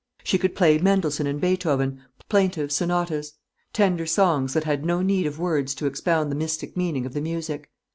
She could play Mendelssohn and Beethoven, plaintive sonatas; tender songs, that had no need of words to expound the mystic meaning of the music.